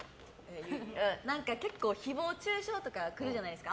結構、誹謗中傷とか来るじゃないですか。